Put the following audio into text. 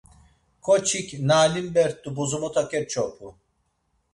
Ǩoçik, na alimbert̆u bozomota keç̌opu.